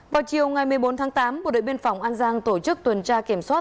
vào chiều ngày một mươi bốn tháng tám bộ đội biên phòng an giang tổ chức tuần tra kiểm soát